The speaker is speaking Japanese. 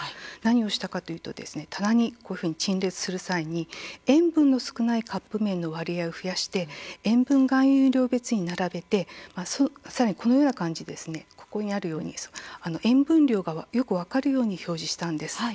何をしたかというと棚に陳列する際に塩分の少ないカップ麺の割合を増やして塩分含有量別に並べてさらにこのような感じで塩分量がよく分かるように表示したんです。